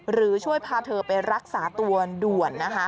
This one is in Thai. หรือช่วยพาเธอไปรักษาตัวด่วนนะคะ